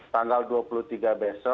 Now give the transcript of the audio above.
tanggal dua puluh tiga besok